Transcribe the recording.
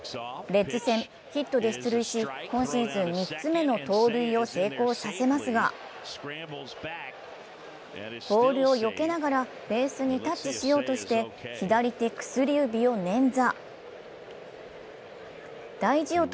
レッズ戦、ヒットで出塁し、今シーズン３つ目の盗塁を成功させますが、ボールをよけながらベースにタッチしようとして左手薬指を捻挫。